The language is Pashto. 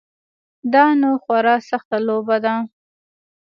دا نو خورا سخته لوبه ده.